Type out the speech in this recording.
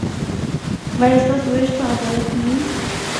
ایا ستاسو ویش به عادلانه نه وي؟